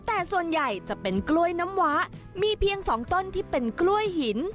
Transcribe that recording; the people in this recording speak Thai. แต่ส่วนใหญ่จะเป็นกล้วยน้ำว้ามีเพียง๒ต้นที่เป็นกล้วยหิน